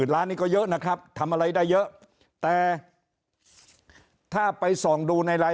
ล้านนี่ก็เยอะนะครับทำอะไรได้เยอะแต่ถ้าไปส่องดูในลาย